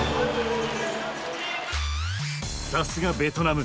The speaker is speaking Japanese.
さすがベトナム！